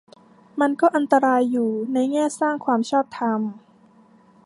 มันก็อันตรายอยู่ ในแง่สร้างความชอบธรรม